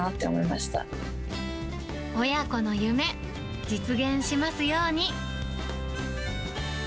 ま親子の夢、実現しますように。